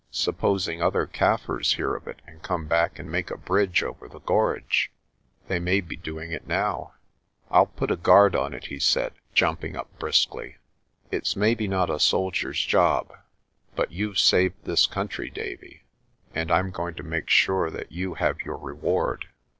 "Supposing other Kaffirs hear of it, and come back and make a bridge over the gorge? They may be doing it now." "I'll put a guard on it," he said, jumping up briskly. "It's maybe not a soldier's job but you've saved this country, Davie, and I'm going to make sure that you have your reward."